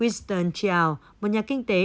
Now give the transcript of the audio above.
winston chiao một nhà kinh tế